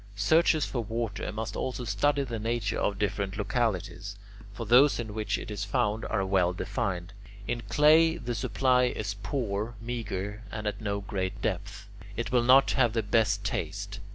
Searchers for water must also study the nature of different localities; for those in which it is found are well defined. In clay the supply is poor, meagre, and at no great depth. It will not have the best taste.